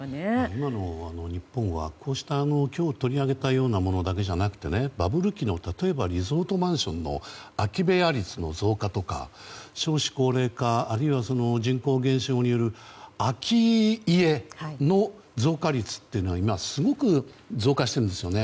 今の日本は今日取り上げたものだけじゃなくバブル期のリゾートマンションの空き部屋率の増加とか少子高齢化あるいは人口減少による空き家の増加率が今、すごく増加しているんですよね。